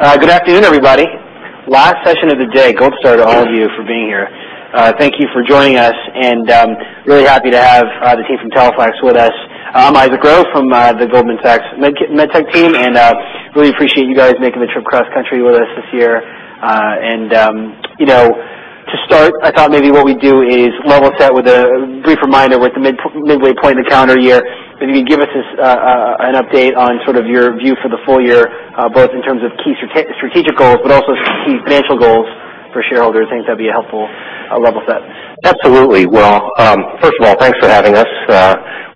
Good afternoon, everybody. Last session of the day. Gold star to all of you for being here. Thank you for joining us, and really happy to have the team from Teleflex with us. I'm Isaac Grinberg from the Goldman Sachs MedTech team, and really appreciate you guys making the trip cross country with us this year. To start, I thought maybe what we'd do is level set with a brief reminder with the midway point of the calendar year. Maybe give us an update on sort of your view for the full year, both in terms of key strategic goals, but also key financial goals for shareholders. I think that'd be a helpful level set. Absolutely. Well, first of all, thanks for having us.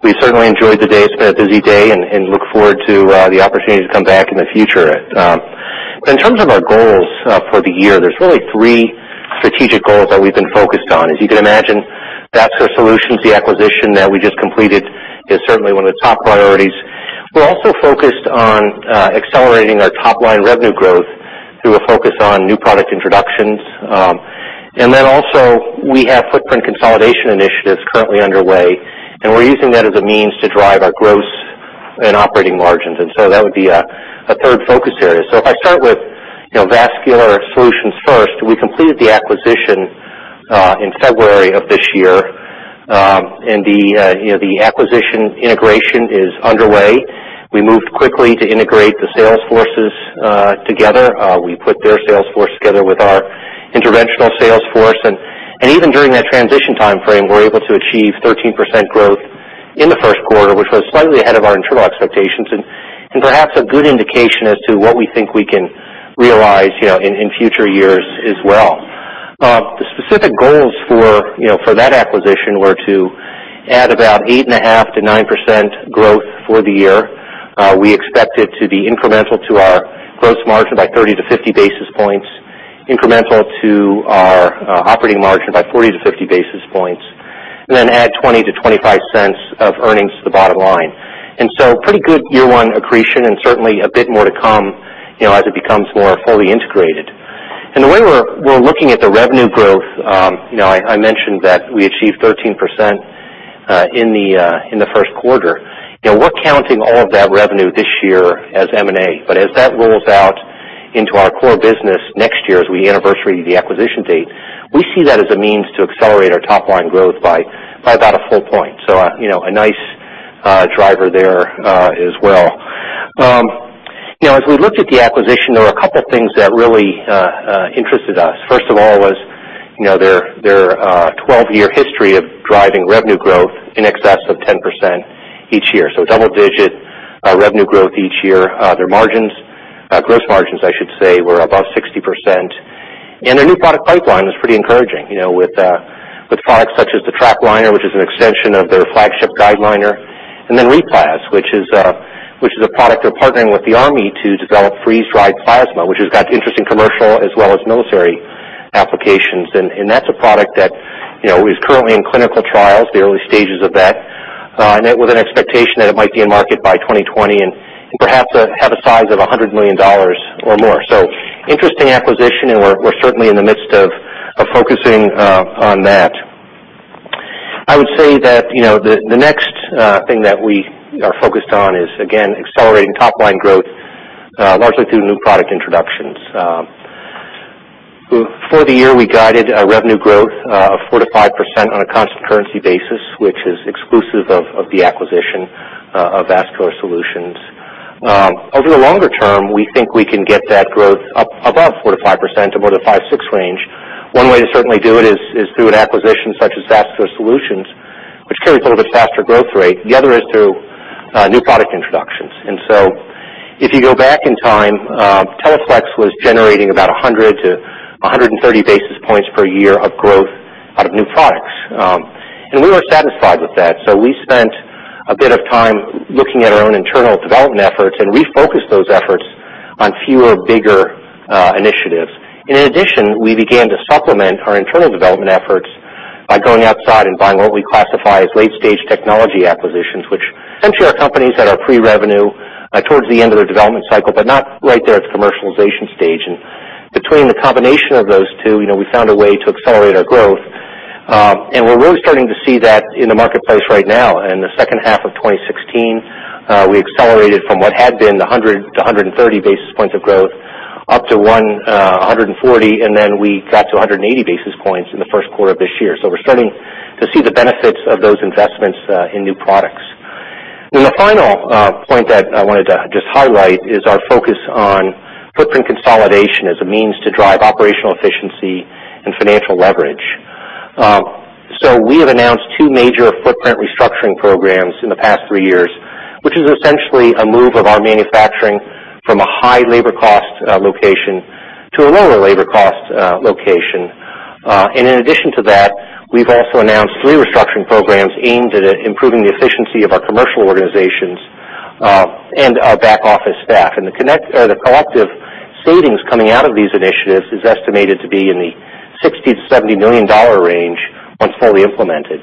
We've certainly enjoyed the day. It's been a busy day, and look forward to the opportunity to come back in the future. In terms of our goals for the year, there's really three strategic goals that we've been focused on. As you can imagine, Vascular Solutions, the acquisition that we just completed, is certainly one of the top priorities. We're also focused on accelerating our top-line revenue growth through a focus on new product introductions. Also, we have footprint consolidation initiatives currently underway, and we're using that as a means to drive our gross and operating margins. That would be a third focus area. If I start with Vascular Solutions first, we completed the acquisition in February of this year, and the acquisition integration is underway. We moved quickly to integrate the sales forces together. We put their sales force together with our interventional sales force. Even during that transition timeframe, we were able to achieve 13% growth in the first quarter, which was slightly ahead of our internal expectations and perhaps a good indication as to what we think we can realize in future years as well. The specific goals for that acquisition were to add about 8.5%-9% growth for the year. We expect it to be incremental to our gross margin by 30 to 50 basis points, incremental to our operating margin by 40 to 50 basis points, and then add $0.20-$0.25 of earnings to the bottom line. Pretty good year one accretion and certainly a bit more to come as it becomes more fully integrated. The way we're looking at the revenue growth, I mentioned that we achieved 13% in the first quarter. We're counting all of that revenue this year as M&A. As that rolls out into our core business next year as we anniversary the acquisition date, we see that as a means to accelerate our top-line growth by about a full point. A nice driver there as well. As we looked at the acquisition, there were a couple things that really interested us. First of all was their 12-year history of driving revenue growth in excess of 10% each year. Double-digit revenue growth each year. Their margins, gross margins, I should say, were above 60%, and their new product pipeline was pretty encouraging with products such as the TrapLiner, which is an extension of their flagship GuideLiner, and then RePlas, which is a product they're partnering with the Army to develop freeze-dried plasma, which has got interesting commercial as well as military applications. That's a product that is currently in clinical trials, the early stages of that, with an expectation that it might be in market by 2020 and perhaps have a size of $100 million or more. Interesting acquisition, and we're certainly in the midst of focusing on that. I would say that the next thing that we are focused on is, again, accelerating top-line growth largely through new product introductions. For the year, we guided our revenue growth of 4%-5% on a constant currency basis, which is exclusive of the acquisition of Vascular Solutions. Over the longer term, we think we can get that growth up above 4%-5% to more the 5%-6% range. One way to certainly do it is through an acquisition such as Vascular Solutions, which carries a little bit faster growth rate. The other is through new product introductions. If you go back in time, Teleflex was generating about 100-130 basis points per year of growth out of new products. We were satisfied with that. We spent a bit of time looking at our own internal development efforts and refocused those efforts on fewer, bigger initiatives. In addition, we began to supplement our internal development efforts by going outside and buying what we classify as late-stage technology acquisitions, which essentially are companies that are pre-revenue towards the end of their development cycle, but not right there at the commercialization stage. Between the combination of those two, we found a way to accelerate our growth. We're really starting to see that in the marketplace right now. In the second half of 2016, we accelerated from what had been the 100-130 basis points of growth up to 140, then we got to 180 basis points in the first quarter of this year. We're starting to see the benefits of those investments in new products. The final point that I wanted to just highlight is our focus on footprint consolidation as a means to drive operational efficiency and financial leverage. We have announced two major footprint restructuring programs in the past three years, which is essentially a move of our manufacturing from a high labor cost location to a lower labor cost location. In addition to that, we've also announced three restructuring programs aimed at improving the efficiency of our commercial organizations and our back office staff. The collective savings coming out of these initiatives is estimated to be in the $60 million-$70 million range when fully implemented.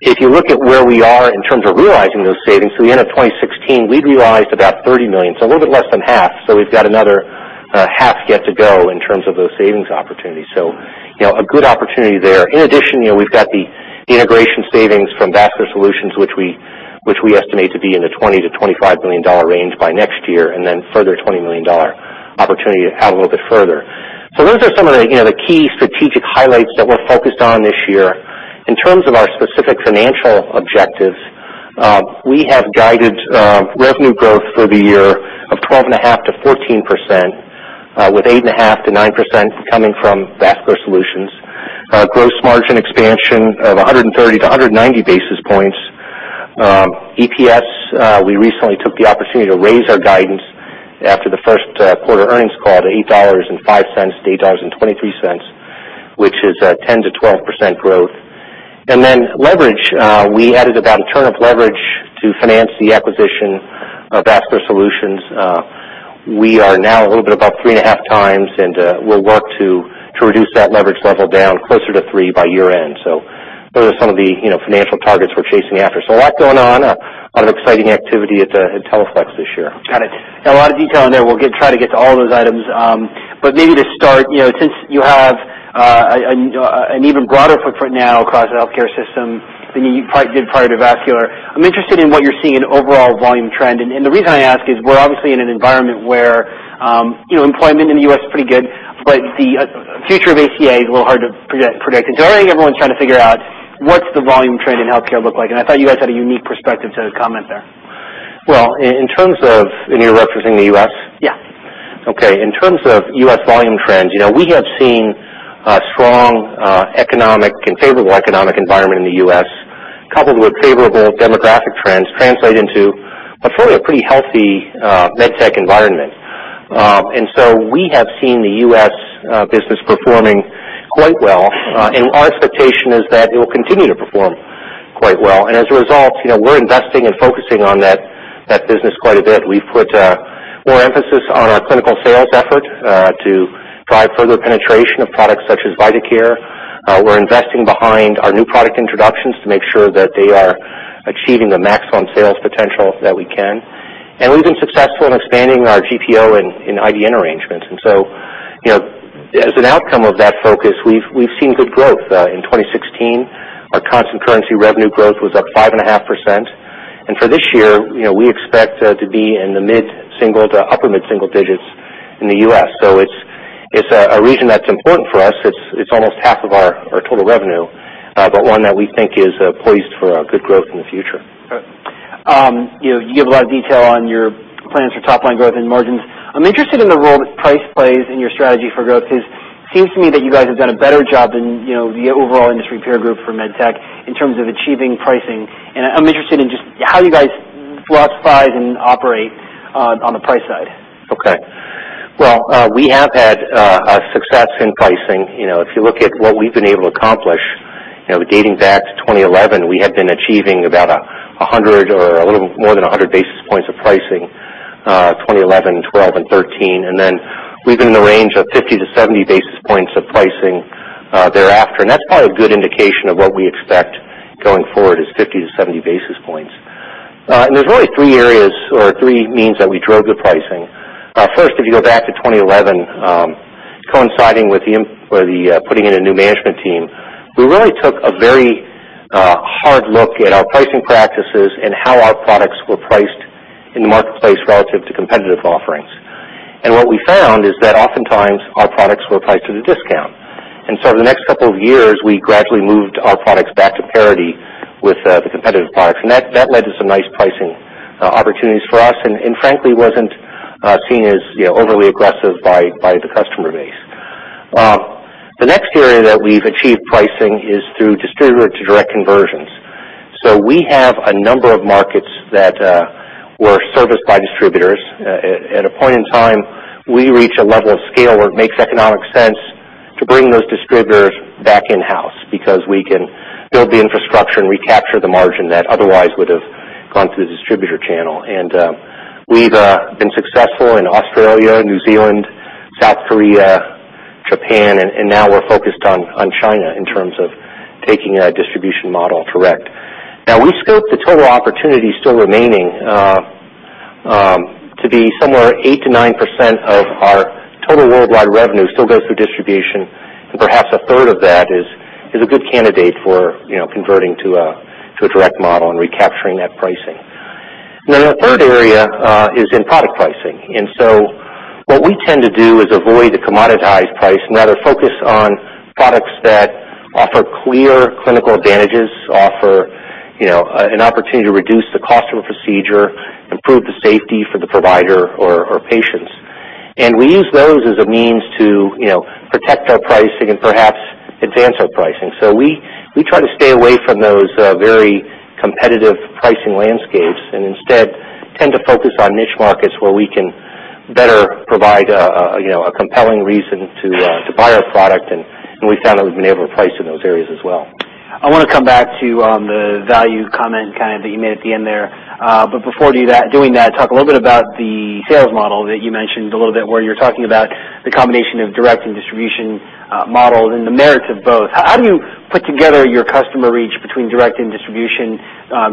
If you look at where we are in terms of realizing those savings, through the end of 2016, we'd realized about $30 million, so a little bit less than half. We've got another half get to go in terms of those savings opportunities. A good opportunity there. In addition, we've got the integration savings from Vascular Solutions, which we estimate to be in the $20 million-$25 million range by next year, and then a further $20 million opportunity out a little bit further. Those are some of the key strategic highlights that we're focused on this year. In terms of our specific financial objectives, we have guided revenue growth for the year of 12.5%-14%, with 8.5%-9% coming from Vascular Solutions. Gross margin expansion of 130-190 basis points. EPS, we recently took the opportunity to raise our guidance after the first quarter earnings call to $8.05-$8.23, which is a 10%-12% growth. Leverage, we added about a turn of leverage to finance the acquisition of Vascular Solutions. We are now a little bit above three and a half times, and we'll work to reduce that leverage level down closer to three by year-end. Those are some of the financial targets we're chasing after. A lot going on, a lot of exciting activity at Teleflex this year. Got it. A lot of detail in there. We'll try to get to all those items. Maybe to start, since you have an even broader footprint now across the healthcare system than you did prior to Vascular, I'm interested in what you're seeing in overall volume trend. The reason I ask is we're obviously in an environment where employment in the U.S. is pretty good, but the future of ACA is a little hard to predict. I think everyone's trying to figure out what's the volume trend in healthcare look like, and I thought you guys had a unique perspective to comment there. You're referencing the U.S.? Yeah. Okay. In terms of U.S. volume trends, we have seen a strong economic and favorable economic environment in the U.S., coupled with favorable demographic trends, translate into a fairly pretty healthy MedTech environment. We have seen the U.S. business performing quite well. Our expectation is that it will continue to perform quite well. As a result, we're investing and focusing on that business quite a bit. We've put more emphasis on our clinical sales effort to drive further penetration of products such as Vidacare. We're investing behind our new product introductions to make sure that they are achieving the maximum sales potential that we can. We've been successful in expanding our GPO and IDN arrangements. As an outcome of that focus, we've seen good growth. In 2016, our constant currency revenue growth was up 5.5%. For this year, we expect to be in the mid-single to upper mid-single digits in the U.S. It's a region that's important for us. It's almost half of our total revenue, but one that we think is poised for good growth in the future. Okay. You give a lot of detail on your plans for top-line growth and margins. I'm interested in the role that price plays in your strategy for growth, because it seems to me that you guys have done a better job than the overall industry peer group for MedTech in terms of achieving pricing. I'm interested in just how you guys philosophize and operate on the price side. Okay. Well, we have had success in pricing. If you look at what we've been able to accomplish, dating back to 2011, we have been achieving about 100 or a little more than 100 basis points of pricing, 2011, 2012, and 2013. Then we've been in the range of 50-70 basis points of pricing thereafter. That's probably a good indication of what we expect going forward, is 50-70 basis points. There's really three areas or three means that we drove the pricing. First, if you go back to 2011, coinciding with putting in a new management team, we really took a very hard look at our pricing practices and how our products were priced in the marketplace relative to competitive offerings. What we found is that oftentimes, our products were priced at a discount. Over the next couple of years, we gradually moved our products back to parity with the competitive products. That led to some nice pricing opportunities for us, and frankly, wasn't seen as overly aggressive by the customer base. The next area that we've achieved pricing is through distributor-to-direct conversions. We have a number of markets that were serviced by distributors. At a point in time, we reach a level of scale where it makes economic sense to bring those distributors back in-house because we can build the infrastructure and recapture the margin that otherwise would've gone through the distributor channel. We've been successful in Australia, New Zealand, South Korea, Japan, and now we're focused on China in terms of taking a distribution model direct. We scoped the total opportunity still remaining to be somewhere 8%-9% of our total worldwide revenue still goes through distribution, and perhaps a third of that is a good candidate for converting to a direct model and recapturing that pricing. The third area is in product pricing. What we tend to do is avoid the commoditized price and rather focus on products that offer clear clinical advantages, offer an opportunity to reduce the cost of a procedure, improve the safety for the provider or patients. We use those as a means to protect our pricing and perhaps advance our pricing. We try to stay away from those very competitive pricing landscapes and instead tend to focus on niche markets where we can better provide a compelling reason to buy our product, and we found that we've been able to price in those areas as well. I want to come back to the value comment kind of that you made at the end there. Before doing that, talk a little bit about the sales model that you mentioned a little bit, where you were talking about the combination of direct and distribution models and the merits of both. How do you put together your customer reach between direct and distribution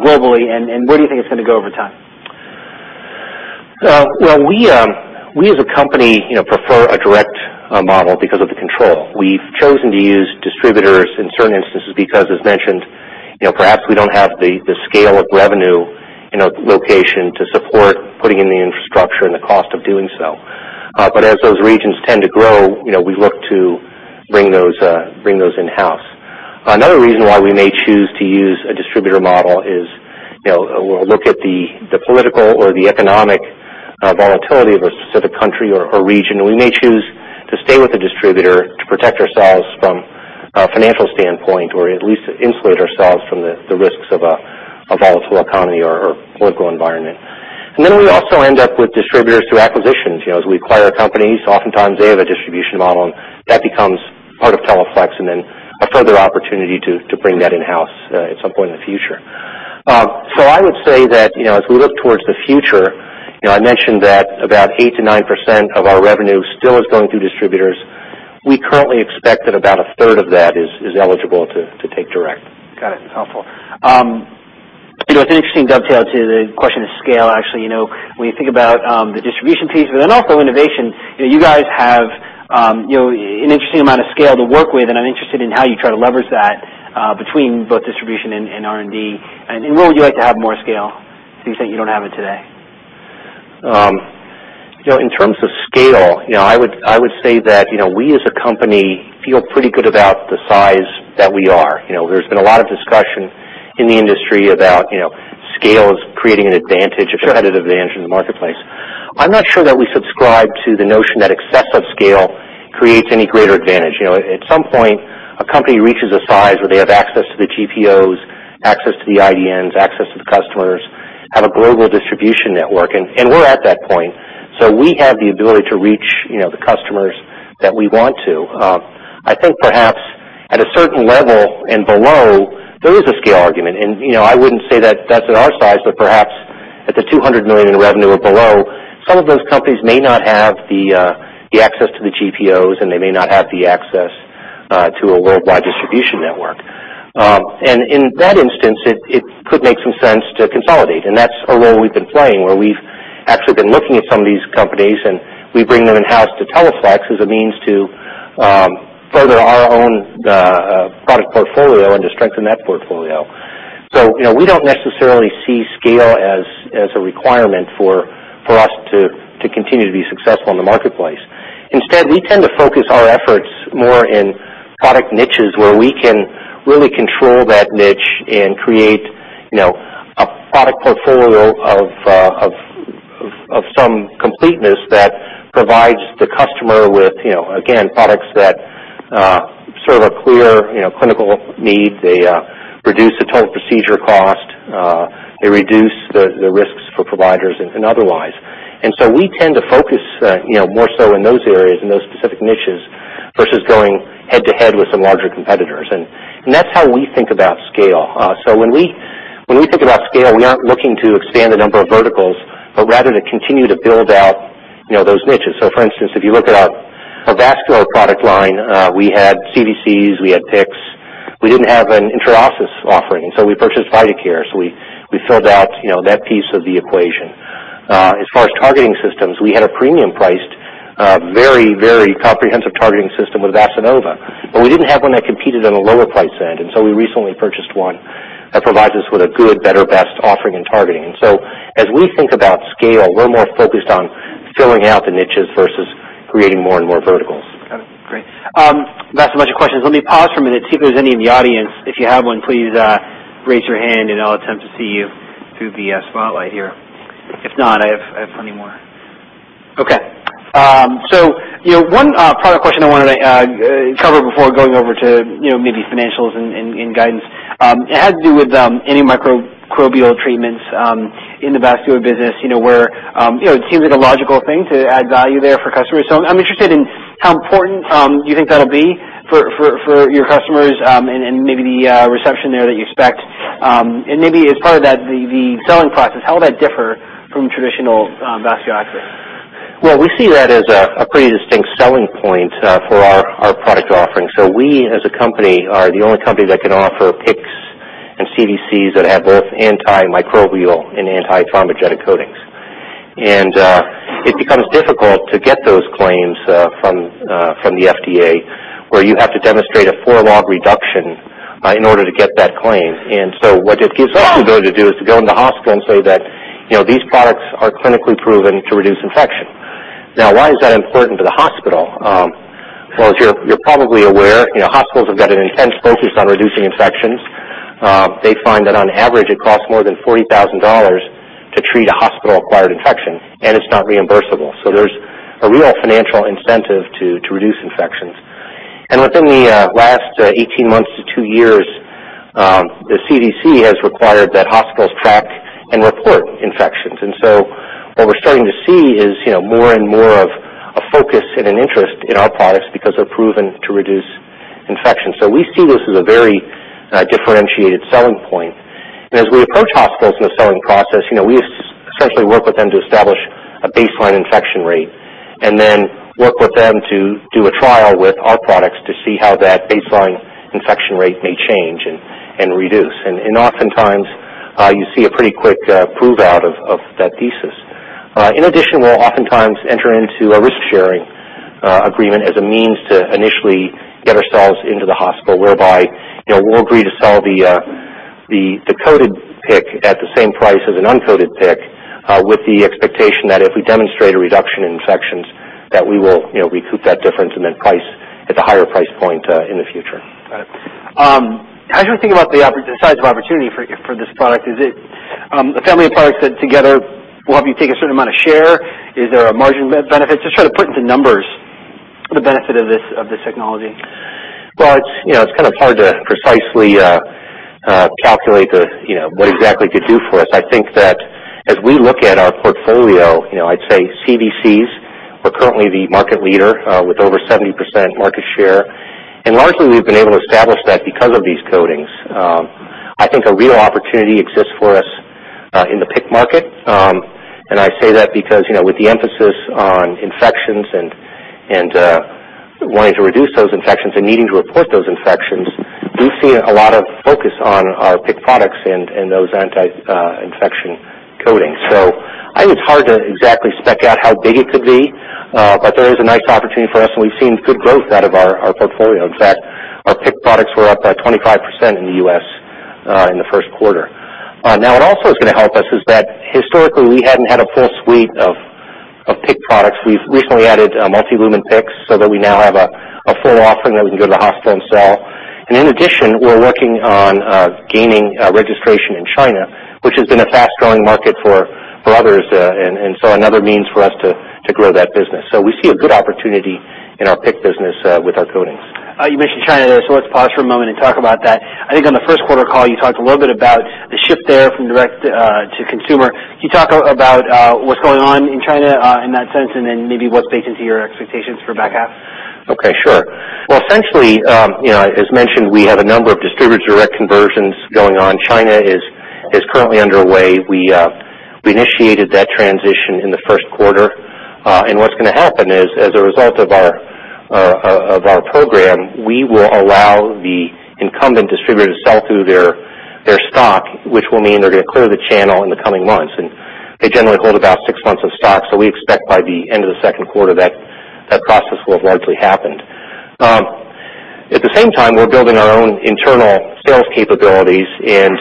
globally, and where do you think it's going to go over time? We as a company prefer a direct model because of the control. We've chosen to use distributors in certain instances because, as mentioned, perhaps we don't have the scale of revenue in a location to support putting in the infrastructure and the cost of doing so. As those regions tend to grow, we look to bring those in-house. Another reason why we may choose to use a distributor model is, we'll look at the political or the economic volatility of a specific country or region, and we may choose to stay with the distributor to protect ourselves from a financial standpoint or at least insulate ourselves from the risks of a volatile economy or political environment. We also end up with distributors through acquisitions. As we acquire companies, oftentimes they have a distribution model, and that becomes part of Teleflex and then a further opportunity to bring that in-house at some point in the future. I would say that, as we look towards the future, I mentioned that about 8%-9% of our revenue still is going through distributors. We currently expect that about a third of that is eligible to take direct. Got it. Helpful. It's an interesting dovetail to the question of scale, actually, when you think about the distribution piece but then also innovation. You guys have an interesting amount of scale to work with, and I'm interested in how you try to leverage that between both distribution and R&D. Where would you like to have more scale, things that you don't have today? In terms of scale, I would say that we as a company feel pretty good about the size that we are. There's been a lot of discussion in the industry about scale as creating an advantage. Sure That is a competitive advantage in the marketplace. I'm not sure that we subscribe to the notion that excessive scale creates any greater advantage. At some point, a company reaches a size where they have access to the GPOs, access to the IDNs, access to the customers, have a global distribution network, and we're at that point. We have the ability to reach the customers that we want to. I think perhaps at a certain level and below, there is a scale argument, and I wouldn't say that that's at our size, but perhaps at the $200 million in revenue or below, some of those companies may not have the access to the GPOs, and they may not have the access to a worldwide distribution network. In that instance, it could make some sense to consolidate, That's a role we've been playing where we've actually been looking at some of these companies, We bring them in-house to Teleflex as a means to further our own product portfolio and to strengthen that portfolio. We don't necessarily see scale as a requirement for us to continue to be successful in the marketplace. Instead, we tend to focus our efforts more in product niches where we can really control that niche and create a product portfolio of some completeness that provides the customer with, again, products that serve a clear clinical need. They reduce the total procedure cost. They reduce the risks for providers and otherwise. We tend to focus more so in those areas, in those specific niches versus going head-to-head with some larger competitors. That's how we think about scale. When we think about scale, we aren't looking to expand the number of verticals, rather to continue to build out those niches. For instance, if you look at our vascular product line, we had CVCs, we had PICCs. We didn't have an intraosseous offering, we purchased Vidacare, we filled out that piece of the equation. As far as targeting systems, we had a premium-priced, very comprehensive targeting system with VasaNova. We didn't have one that competed on the lower price end, we recently purchased one that provides us with a good, better, best offering and targeting. As we think about scale, we're more focused on filling out the niches versus creating more and more verticals. Got it. Great. That's a bunch of questions. Let me pause for a minute, see if there's any in the audience. If you have one, please raise your hand, I'll attempt to see you through the spotlight here. If not, I have plenty more. Okay. One product question I wanted to cover before going over to maybe financials and guidance. It had to do with antimicrobial treatments in the vascular business, where it seems like a logical thing to add value there for customers. I'm interested in how important you think that'll be for your customers and maybe the reception there that you expect. Maybe as part of that, the selling process, how will that differ from traditional vascular access? We see that as a pretty distinct selling point for our product offering. We, as a company, are the only company that can offer PICCs and CVCs that have both antimicrobial and antithrombogenic coatings. It becomes difficult to get those claims from the FDA, where you have to demonstrate a four-log reduction in order to get that claim. What it gives us the ability to do is to go into the hospital and say that these products are clinically proven to reduce infection. Why is that important to the hospital? As you're probably aware, hospitals have got an intense focus on reducing infections. They find that on average it costs more than $40,000 to treat a hospital-acquired infection, it's not reimbursable. There's a real financial incentive to reduce infections. Within the last 18 months to 2 years, the CDC has required that hospitals track and report infections. What we're starting to see is more and more of a focus and an interest in our products because they're proven to reduce infection. We see this as a very differentiated selling point. As we approach hospitals in the selling process, we essentially work with them to establish a baseline infection rate. Then work with them to do a trial with our products to see how that baseline infection rate may change and reduce. Oftentimes, you see a pretty quick prove-out of that thesis. In addition, we'll oftentimes enter into a risk-sharing agreement as a means to initially get ourselves into the hospital, whereby we'll agree to sell the coated PICC at the same price as an uncoated PICC, with the expectation that if we demonstrate a reduction in infections, that we will recoup that difference and then price at the higher price point in the future. Got it. As you think about the size of opportunity for this product, is it a family of products that together will have you take a certain amount of share? Is there a margin benefit? Just try to put into numbers the benefit of this technology. Well, it's kind of hard to precisely calculate what exactly it could do for us. I think that as we look at our portfolio, I'd say CVCs, we're currently the market leader with over 70% market share. Largely, we've been able to establish that because of these coatings. I think a real opportunity exists for us in the PICC market. I say that because with the emphasis on infections and wanting to reduce those infections and needing to report those infections, we see a lot of focus on our PICC products and those anti-infection coatings. I think it's hard to exactly spec out how big it could be. There is a nice opportunity for us, and we've seen good growth out of our portfolio. In fact, our PICC products were up by 25% in the U.S. in the first quarter. What also is going to help us is that historically we hadn't had a full suite of PICC products. We've recently added multi-lumen PICCs so that we now have a full offering that we can go to the hospital and sell. In addition, we're working on gaining registration in China, which has been a fast-growing market for others, another means for us to grow that business. We see a good opportunity in our PICC business with our coatings. You mentioned China there, let's pause for a moment and talk about that. I think on the first quarter call, you talked a little bit about the shift there from [direct to consumer]. Can you talk about what's going on in China in that sense, then maybe what bakes into your expectations for back half? Essentially, as mentioned, we have a number of distributor direct conversions going on. China is currently underway. We initiated that transition in the first quarter. What's going to happen is, as a result of our program, we will allow the incumbent distributor to sell through their stock, which will mean they're going to clear the channel in the coming months. They generally hold about six months of stock, we expect by the end of the second quarter that that process will have largely happened. At the same time, we're building our own internal sales capabilities and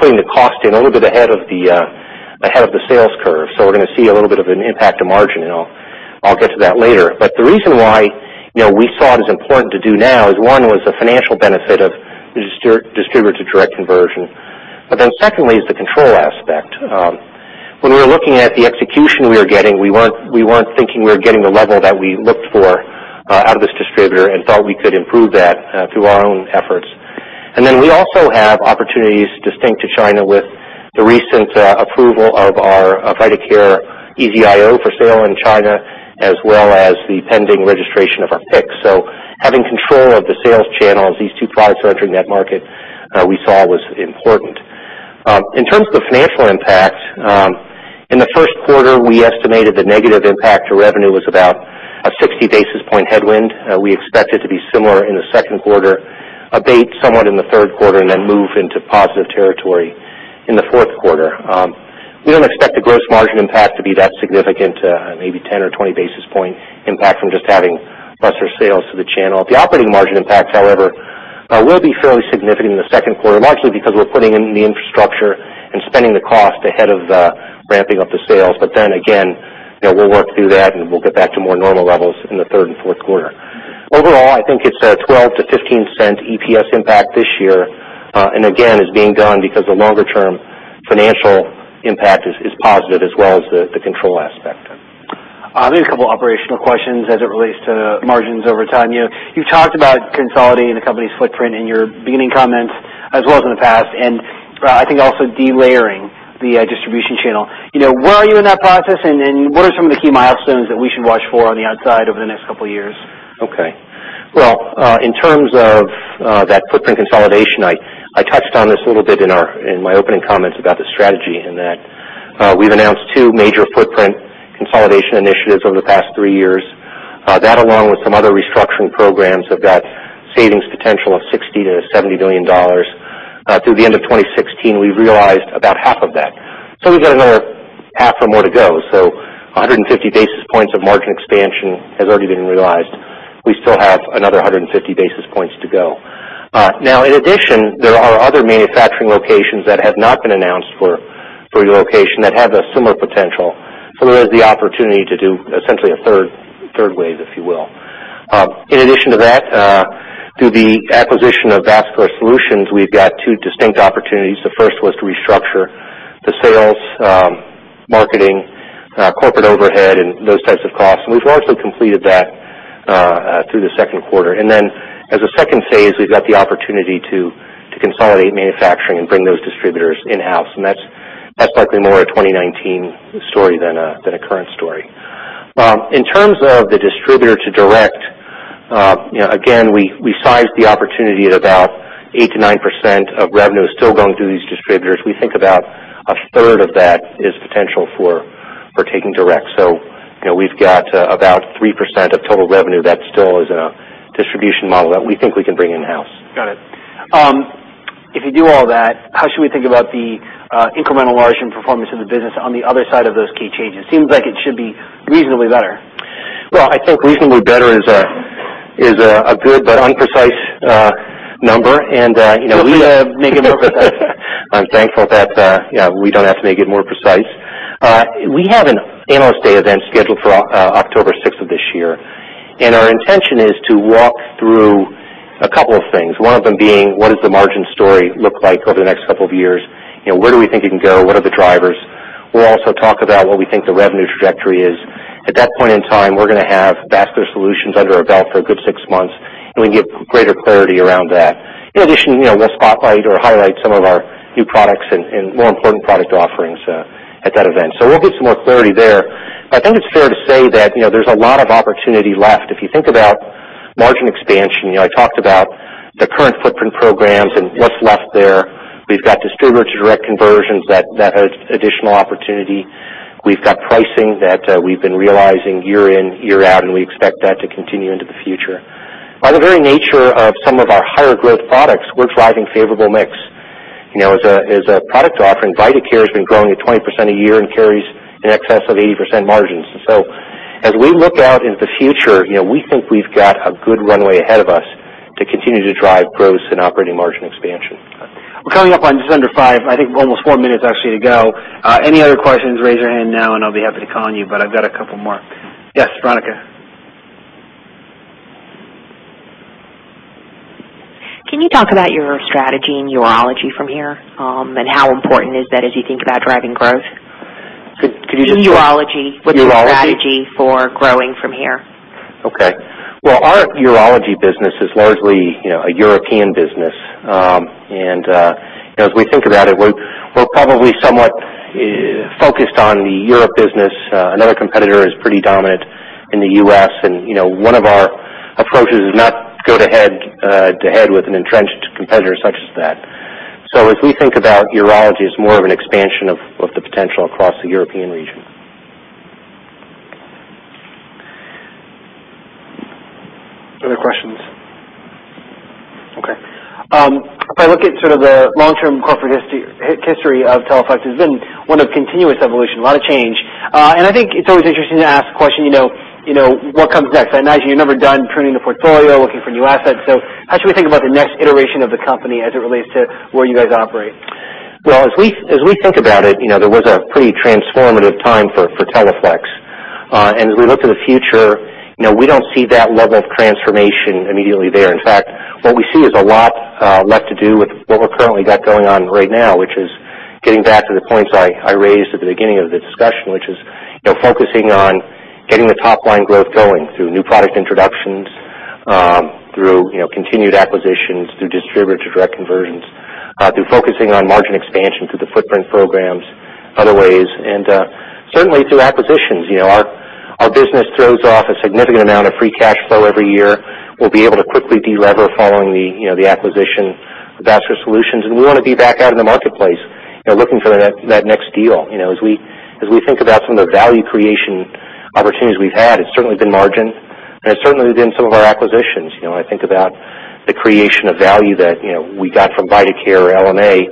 putting the cost in a little bit ahead of the sales curve. We're going to see a little bit of an impact to margin, I'll get to that later. The reason why we saw it as important to do now is, one was the financial benefit of distributor to direct conversion. Secondly is the control aspect. When we were looking at the execution we were getting, we weren't thinking we were getting the level that we looked for out of this distributor and felt we could improve that through our own efforts. We also have opportunities distinct to China with the recent approval of our Vidacare EZ-IO for sale in China, as well as the pending registration of our PICC. Having control of the sales channels, these two products are entering that market, we saw was important. In terms of the financial impact, in the first quarter, we estimated the negative impact to revenue was about a 60-basis point headwind. We expect it to be similar in the second quarter, abate somewhat in the third quarter, and then move into positive territory in the fourth quarter. We don't expect the gross margin impact to be that significant, maybe 10 or 20 basis point impact from just having lesser sales to the channel. The operating margin impact, however, will be fairly significant in the second quarter, largely because we're putting in the infrastructure and spending the cost ahead of ramping up the sales. We'll work through that, and we'll get back to more normal levels in the third and fourth quarter. Overall, I think it's a $0.12-$0.15 EPS impact this year, and again, is being done because the longer-term financial impact is positive as well as the control aspect. Maybe a couple of operational questions as it relates to margins over time. You talked about consolidating the company's footprint in your beginning comments as well as in the past, and I think also delayering the distribution channel. Where are you in that process, and what are some of the key milestones that we should watch for on the outside over the next couple of years? Okay. In terms of that footprint consolidation, I touched on this a little bit in my opening comments about the strategy in that we've announced two major footprint consolidation initiatives over the past three years. That, along with some other restructuring programs, have got savings potential of $60 million-$70 million. Through the end of 2016, we realized about half of that. We've got another half or more to go. 150 basis points of margin expansion has already been realized. We still have another 150 basis points to go. Now, in addition, there are other manufacturing locations that have not been announced for relocation that have a similar potential. There is the opportunity to do essentially a third wave, if you will. In addition to that, through the acquisition of Vascular Solutions, we've got two distinct opportunities. The first was to restructure the sales, marketing, corporate overhead, and those types of costs, and we've largely completed that through the second quarter. As a second phase, we've got the opportunity to consolidate manufacturing and bring those distributors in-house, and that's likely more a 2019 story than a current story. In terms of the distributor to direct Again, we sized the opportunity at about 8%-9% of revenue is still going through these distributors. We think about a third of that is potential for taking direct. We've got about 3% of total revenue that still is a distribution model that we think we can bring in-house. Got it. If you do all that, how should we think about the incremental margin performance of the business on the other side of those key changes? Seems like it should be reasonably better. Well, I think reasonably better is a good but unprecise number. Make it more precise. I'm thankful that we don't have to make it more precise. We have an Analyst Day event scheduled for October 6th of this year, our intention is to walk through a couple of things, one of them being, what does the margin story look like over the next couple of years? Where do we think it can go? What are the drivers? We'll also talk about what we think the revenue trajectory is. At that point in time, we're going to have Vascular Solutions under our belt for a good six months, we can give greater clarity around that. In addition, we'll spotlight or highlight some of our new products and more important product offerings at that event. We'll get some more clarity there. I think it's fair to say that there's a lot of opportunity left. If you think about margin expansion, I talked about the current footprint programs and what's left there. We've got distributor-to-direct conversions that has additional opportunity. We've got pricing that we've been realizing year in, year out, and we expect that to continue into the future. By the very nature of some of our higher growth products, we're driving favorable mix. As a product offering, Vidacare has been growing at 20% a year and carries in excess of 80% margins. As we look out into the future, we think we've got a good runway ahead of us to continue to drive gross and operating margin expansion. We're coming up on just under five. I think we've almost four minutes actually to go. Any other questions, raise your hand now and I'll be happy to call on you, I've got a couple more. Yes, Veronica. Can you talk about your strategy in urology from here? How important is that as you think about driving growth? Urology what's your strategy for growing from here? Okay. Well, our urology business is largely a European business. As we think about it, we're probably somewhat focused on the Europe business. Another competitor is pretty dominant in the U.S., one of our approaches is not go to head-to-head with an entrenched competitor such as that. As we think about urology as more of an expansion of the potential across the European region. Other questions? Okay. If I look at sort of the long-term corporate history of Teleflex, it's been one of continuous evolution, a lot of change. I think it's always interesting to ask the question, what comes next? I imagine you're never done pruning the portfolio, looking for new assets. How should we think about the next iteration of the company as it relates to where you guys operate? Well, as we think about it, there was a pretty transformative time for Teleflex. As we look to the future, we don't see that level of transformation immediately there. In fact, what we see is a lot left to do with what we've currently got going on right now, which is getting back to the points I raised at the beginning of the discussion, which is focusing on getting the top-line growth going through new product introductions, through continued acquisitions, through distributor-to-direct conversions, through focusing on margin expansion through the footprint programs, other ways, and certainly through acquisitions. Our business throws off a significant amount of free cash flow every year. We'll be able to quickly de-lever following the acquisition of Vascular Solutions, and we want to be back out in the marketplace looking for that next deal. As we think about some of the value creation opportunities we've had, it's certainly been margin, and it's certainly been some of our acquisitions. I think about the creation of value that we got from Vidacare, LMA,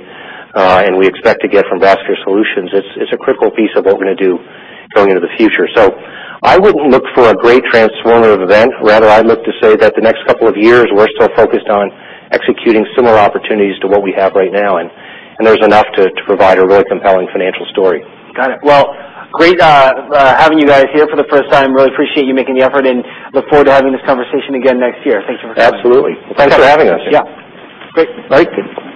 and we expect to get from Vascular Solutions. It's a critical piece of what we're going to do going into the future. I wouldn't look for a great transformative event. Rather, I look to say that the next couple of years, we're still focused on executing similar opportunities to what we have right now. There's enough to provide a really compelling financial story. Got it. Well, great having you guys here for the first time. Really appreciate you making the effort and look forward to having this conversation again next year. Thank you much. Absolutely. Thanks for having us. Yeah. Great. All right.